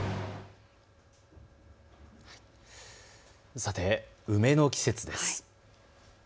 さて、梅の季節です。